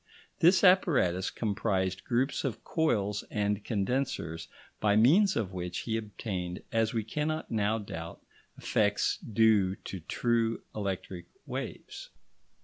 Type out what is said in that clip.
This apparatus comprised groups of coils and condensers by means of which he obtained, as we cannot now doubt, effects due to true electric waves.